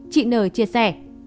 chị n chia sẻ